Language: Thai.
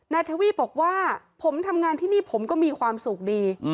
ทวีปบอกว่าผมทำงานที่นี่ผมก็มีความสุขดี